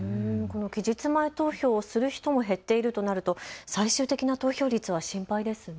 期日前投票をする人も減っているとなると最終的な投票率は心配ですね。